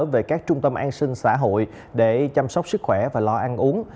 về các trung tâm an sinh xã hội để chăm sóc sức khỏe và lo ăn uống